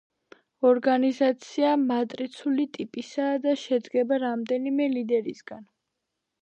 ორგანიზაცია მატრიცული ტიპისაა და შედგება რამდენიმე ლიდერისგან.